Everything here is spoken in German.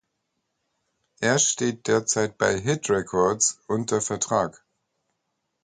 Er steht derzeit bei Hit Records unter Vertrag.